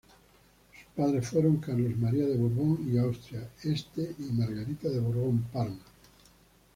Sus padres fueron Carlos María de Borbón y Austria-Este y Margarita de Borbón-Parma.